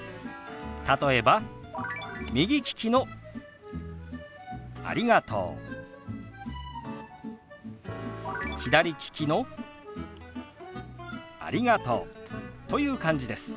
例えば右利きの「ありがとう」左利きの「ありがとう」という感じです。